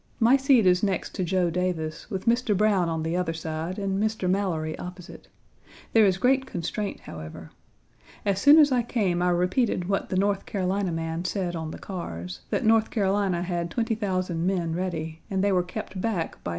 My seat is next to Joe Davis, with Mr. Browne on the other side, and Mr. Mallory opposite. There is great constraint, however. As soon as I came I repeated what the North Carolina man said on the cars, that North Carolina had 20,000 men ready and they were kept back by Mr. Walker, etc.